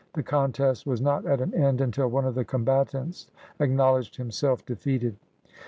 The contest was not at an end until one of the combatants acknowledged himself defeated.